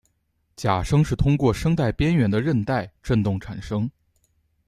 假声是通过声带边缘的韧带振动产生。